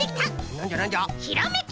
なんじゃなんじゃ？